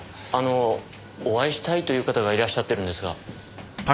あのお会いしたいという方がいらっしゃってるんですが。